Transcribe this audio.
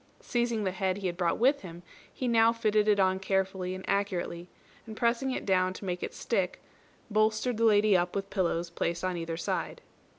Seizing the head he had brought with him, he now fitted it on carefully and accurately, and pressing it down to make it stick, bolstered the lady up with pillows placed on either side.